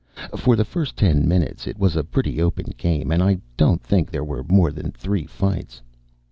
For the first ten minutes, it was a pretty open game and I don't think there were more than three fights.